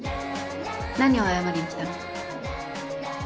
何を謝りに来たの？